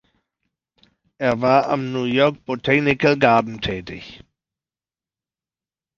Er war am New York Botanical Garden tätig.